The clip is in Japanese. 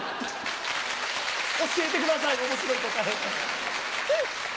教えてください面白い答え。